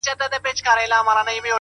• ستا د تورو سترگو اوښکي به پر پاسم ـ